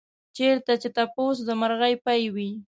چېرته چې تپوس د مرغۍ پۍ وي.